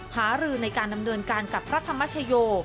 หารือในการดำเนินการกับพระธรรมชโย